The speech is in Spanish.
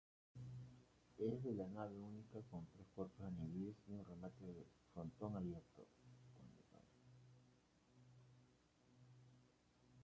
Es de nave única, con tres cuerpos añadidos y un remate en frontón abierto.